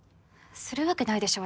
するわけないでしょ